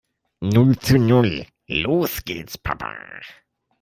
Null zu null. Los geht's Papa!